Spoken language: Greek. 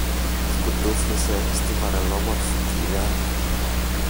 σκουντούφλησε στη βαρελόμορφη κοιλιά